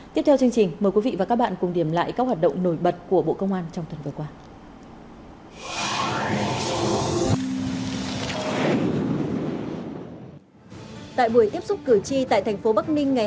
tiếp theo chương trình mời quý vị và các bạn cùng điểm lại các hoạt động nổi bật của bộ công an trong tuần vừa qua